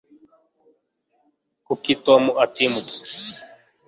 kuki tom atimutse